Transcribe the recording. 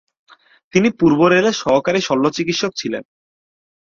তিনি পূর্ব রেলের সহকারী শল্যচিকিৎসক ছিলেন।